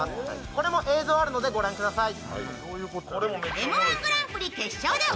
これも映像あるのでご覧ください。